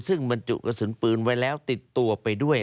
ซึ่งบรรจุกระสุนปืนไว้แล้วติดตัวไปด้วย